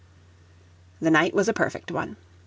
The night was a perfect one.